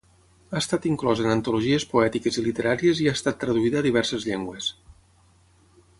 Ha estat inclosa en antologies poètiques i literàries i ha estat traduïda a diverses llengües.